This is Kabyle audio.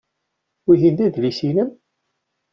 Wihin d adlis-nnem?